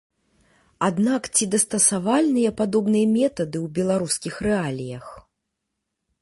Аднак ці дастасавальныя падобныя метады ў беларускіх рэаліях?